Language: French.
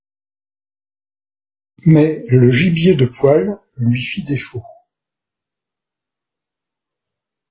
Mais le gibier de poil lui fit défaut.